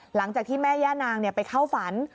หลังจากที่แม่ย่านางไปเข้าฝัน